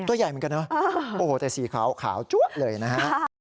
ตัวใหญ่เหมือนกันเนอะโอ้โหแต่สีขาวจวดเลยนะฮะ